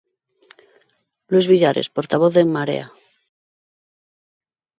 Luis Villares, portavoz de En Marea.